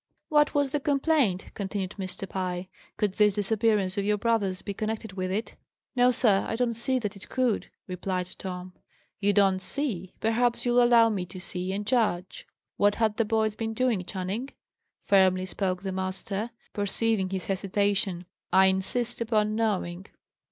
"What was the complaint?" continued Mr. Pye. "Could this disappearance of your brother's be connected with it?" "No, sir, I don't see that it could," replied Tom. "You 'don't see!' Perhaps you'll allow me to see, and judge. What had the boys been doing, Channing?" firmly spoke the master, perceiving his hesitation. "I insist upon knowing."